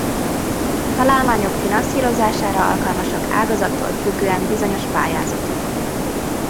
Találmányok finanszírozására alkalmasak ágazattól függően bizonyos pályázatok.